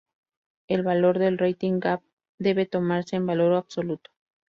El valor del Rating Gap debe tomarse en valor absoluto.